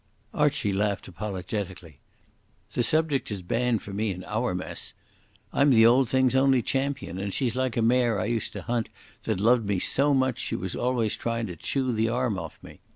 Archie laughed apologetically. "The subject is banned for me in our mess. I'm the old thing's only champion, and she's like a mare I used to hunt that loved me so much she was always tryin' to chew the arm off me.